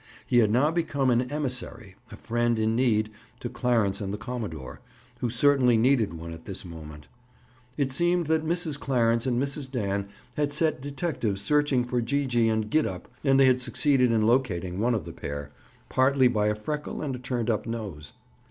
He had now become an emissary, a friend in need, to Clarence and the commodore, who certainly needed one at this moment. It seemed that Mrs. Clarence and Mrs. Dan had set detectives searching for Gee gee and Gid up and they had succeeded in locating one of the pair, partly by a freckle and a turned up nose.